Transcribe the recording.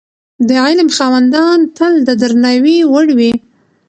د علم خاوندان تل د درناوي وړ وي.